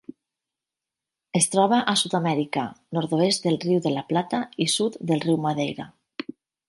Es troba a Sud-amèrica: nord-oest del Riu de La Plata i sud del riu Madeira.